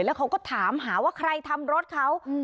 แล้วเขาก็ถามหาว่าใครทำรถเขา